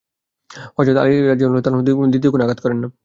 হযরত আলী রাযিয়াল্লাহু আনহু দ্বিতীয় কোন আঘাত করেন না।